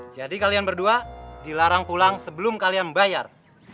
jadi kalian berdua dilarang pulang sebelum kalian bayar